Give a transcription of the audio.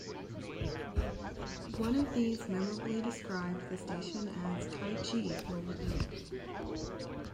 One of these memorably described the station as "T'ai chi for your ears".